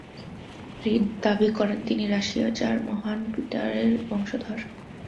Read দাবী করেন তিনি রাশিয়ার জার মহান পিটারের বংশধর।